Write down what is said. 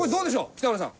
北浦さん。